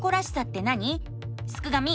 すくがミ！